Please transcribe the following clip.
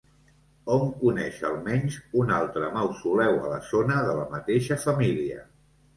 Hom coneix, almenys, un altre mausoleu a la zona, de la mateixa família.